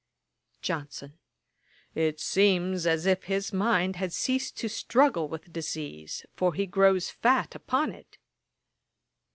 JOHNSON. 'It seems as if his mind had ceased to struggle with the disease; for he grows fat upon it.'